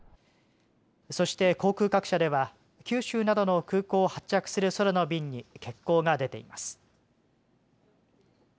そして航空各社では九州などの空港を発着する空の便に欠航が出ています。